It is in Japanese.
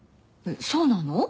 そうなの？